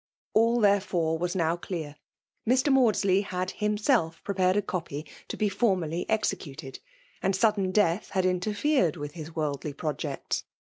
All, therefore, was now clear ; Mr. Mands^ ley had himself prepared a copy to be forma&y executed; and sudden deatii had interfered with his worldly projects.